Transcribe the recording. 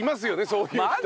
そういう人。